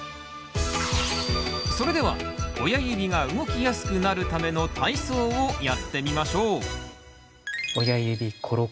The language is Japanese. それでは親指が動きやすくなるための体操をやってみましょう！